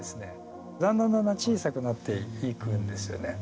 だんだんだんだん小さくなっていくんですよね。